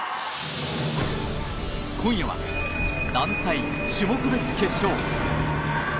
今夜は団体種目別決勝。